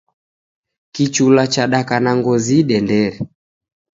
Kichula chadaka na ngozi idendere.